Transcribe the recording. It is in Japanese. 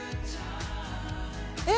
え！